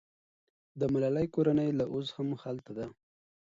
د ملالۍ کورنۍ لا اوس هم هلته ده.